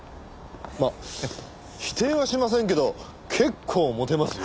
まあ否定はしませんけど結構モテますよ。